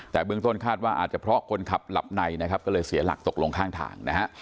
แต่เบื้องต้นคาดว่าอาจจะเพราะคนขับหลับในนะครับก็เลยเสียหลักตกลงข้างทางนะฮะ